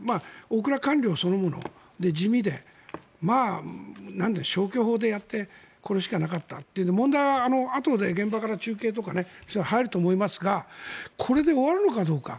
大蔵官僚そのもので地味でまあ消去法でやってこれしかなかったというので問題は、あとで現場から中継とか入ると思いますがこれで終わるのかどうか。